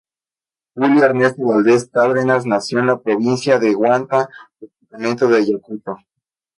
Julio Ernesto Valdez Cárdenas nació en la provincia de Huanta, departamento de Ayacucho.